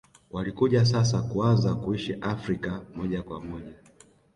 Walikuja sasa kuanza kuishi Afrika moja kwa moja